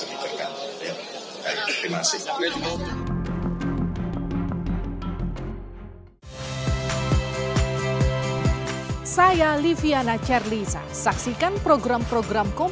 apa pekerjaan penggantinya seperti apa sudah ada bahasa mungkin